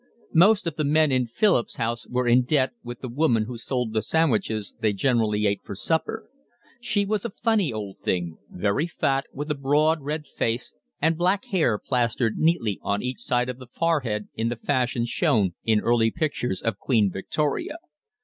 Most of the men in Philip's house were in debt with the woman who sold the sandwiches they generally ate for supper. She was a funny old thing, very fat, with a broad, red face, and black hair plastered neatly on each side of the forehead in the fashion shown in early pictures of Queen Victoria.